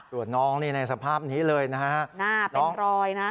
ส่วนน้องนี่ในสภาพนี้เลยนะฮะหน้าเป็นรอยนะ